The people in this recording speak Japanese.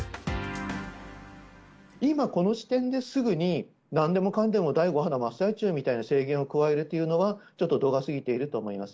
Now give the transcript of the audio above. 今、この時点ですぐに、なんでもかんでも第５波の真っ最中みたいな制限を加えるというのは、ちょっと度が過ぎていると思います。